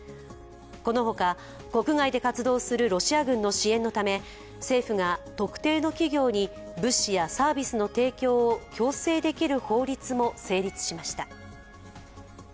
このほか、国外で活動するロシア軍の支援のため政府が特定の企業に物資やサービスの提供を強制できる法律も成立しました。